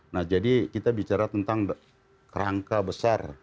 nah jadi kita bicara tentang kerangka besar